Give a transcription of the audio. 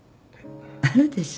あるでしょ？